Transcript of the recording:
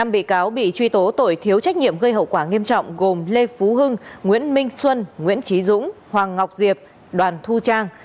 năm bị cáo bị truy tố tội thiếu trách nhiệm gây hậu quả nghiêm trọng gồm lê phú hưng nguyễn minh xuân nguyễn trí dũng hoàng ngọc diệp đoàn thu trang